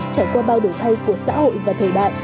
trải qua bao đổi thay của xã hội và thời đại